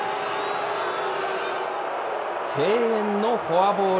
敬遠のフォアボール。